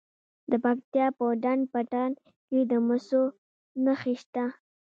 د پکتیا په ډنډ پټان کې د مسو نښې شته.